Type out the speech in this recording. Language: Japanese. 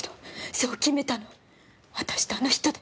そう決めたの私とあの人で。